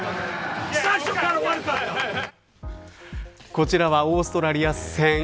こちらはオーストラリア戦。